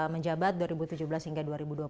menjabat dua ribu tujuh belas hingga